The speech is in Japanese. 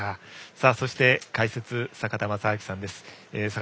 そして、解説の坂田正彰さんです。